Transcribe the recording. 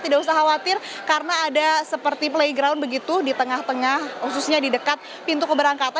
tidak usah khawatir karena ada seperti playground begitu di tengah tengah khususnya di dekat pintu keberangkatan